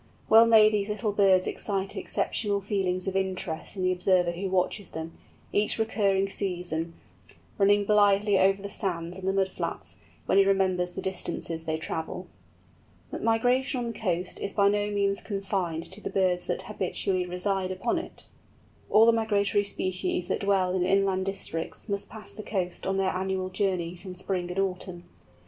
Well may these little birds excite exceptional feelings of interest in the observer who watches them, each recurring season, running blithely over the sands and the mud flats, when he remembers the distances they travel. But migration on the coast is by no means confined to the birds that habitually reside upon it. All the migratory species that dwell in inland districts must pass the coast on their annual journeys in spring and autumn.